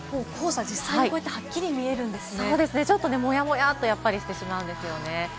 黄砂、こうやって実際にはっきり見えるんですね。